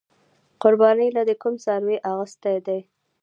قربانۍ له دې کوم څاروې اغستی دی؟